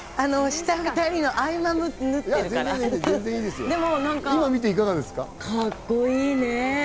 下２人の合間を縫ってるから、今見て、カッコいいね。